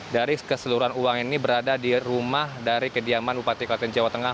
dari keseluruhan uang ini berada di rumah dari kediaman bupati kelaten jawa tengah